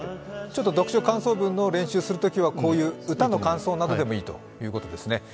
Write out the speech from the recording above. ちょっと読書感想文の練習するときはこういう歌の感想でもいいということですね。